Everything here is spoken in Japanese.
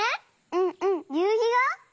うんうんゆうひが？